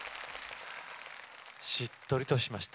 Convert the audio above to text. しっとりとしました。